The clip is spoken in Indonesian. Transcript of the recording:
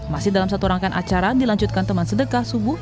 masih dalam satu rangkaian acara dilanjutkan teman sedekah subuh